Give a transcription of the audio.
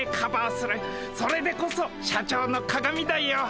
それでこそ社長の鑑だよ。